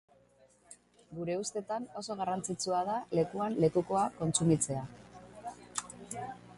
Gure ustetan oso garrantzitsua da lekuan lekukoa kontsumitzea.